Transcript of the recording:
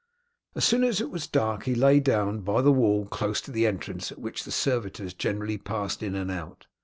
As soon as it was dark he lay down by the wall close to the entrance at which the servitors generally passed in and out.